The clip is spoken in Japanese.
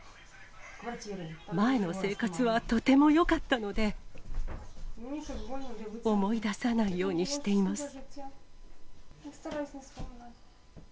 前の生活はとてもよかったので、思い出さないようにしています。